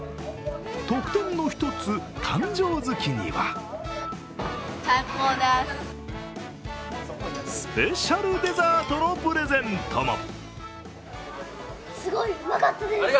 特典の一つ、誕生月にはスペシャルデザートのプレゼントも。